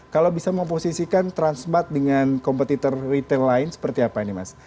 kalau bisa memposisikan transmart dengan kompetitor retail lain seperti apa ini mas